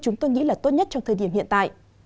chúng tôi nghĩ là tốt nhất trong thời điểm hiện tại